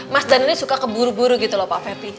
mas daniel suka keburu buru gitu loh pak ferry